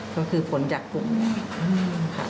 ก็คือผลจากกลุ่มนี้ค่ะ